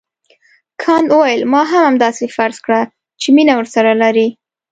کانت وویل ما هم همداسې فرض کړه چې مینه ورسره لرې.